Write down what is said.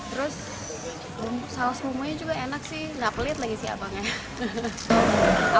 terus saus mumunya juga enak sih gak pelit lagi si abangnya